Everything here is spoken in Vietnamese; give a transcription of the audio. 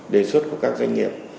đề xuất của các doanh nghiệp